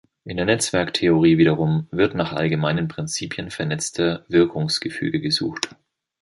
In der Netzwerktheorie wiederum wird nach allgemeinen Prinzipien vernetzter Wirkungsgefüge gesucht.